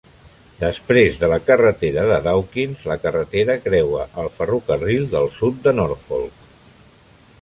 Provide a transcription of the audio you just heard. Després de la carretera de Dawkins, la carretera creua el ferrocarril del sud de Norfolk.